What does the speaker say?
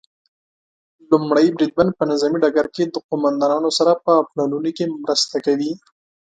لومړی بریدمن په نظامي ډګر کې د قوماندانانو سره په پلانونو کې مرسته کوي.